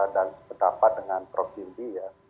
dan berdapat dengan prof gimby ya